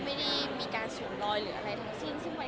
มันอาจจะเป็นคนละเรื่องกัน